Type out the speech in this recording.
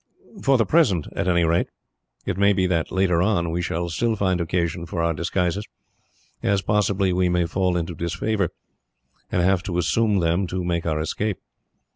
"For the present, at any rate. It may be that, later on, we shall still find occasion for our disguises, as possibly we may fall into disfavour, and have to assume them to make our escape.